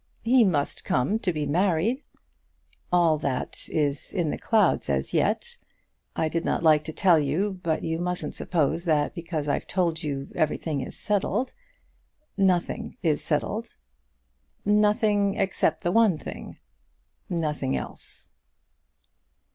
"He must come to be married." "All that is in the clouds as yet. I did not like to tell you, but you mustn't suppose that because I've told you, everything is settled. Nothing is settled." "Nothing except the one thing?" "Nothing else."